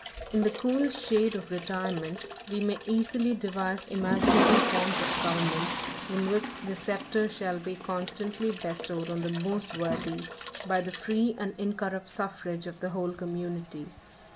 In the cool shade of retirement, we may easily devise imaginary forms of government, in which the sceptre shall be constantly bestowed on the most worthy, by the free and incorrupt suffrage of the whole community.